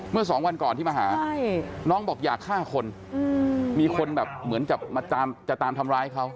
เมื่อสองวันก่อนที่มาหาน้องบอกอยากฆ่าคนมีคนแบบเหมือนกับมาจะตามทำร้ายเขา